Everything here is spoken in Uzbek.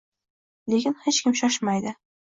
Lekin hech kim shoshmaydi